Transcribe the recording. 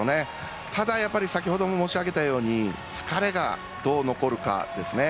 ただ、やっぱり先ほども申し上げたように疲れがどう残るかですね。